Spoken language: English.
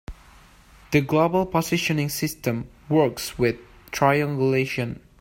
The global positioning system works with triangulation.